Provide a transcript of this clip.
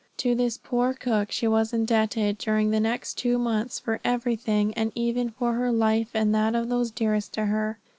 To this poor cook she was indebted, during the next two months for everything, and even for her life and that of those dearest to her.